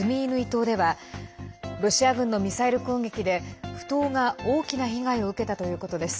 島ではロシア軍のミサイル攻撃で埠頭が大きな被害を受けたということです。